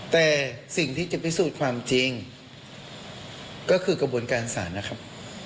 แต่สิ่งที่จะพิสูจน์ความจริงก็คือกระบวนการศาลนะครับ